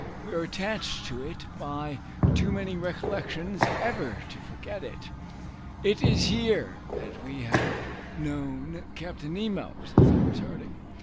We are attached to it by too many recollections ever to forget it." "It is here that we have known Captain Nemo," said Cyrus Harding.